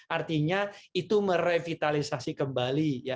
artinya itu merevitalisasi kembali